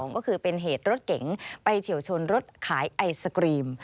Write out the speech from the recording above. ก็คือเป็นเหตุรถเก๋งไปเฉียวชนรถขายไอศกรีม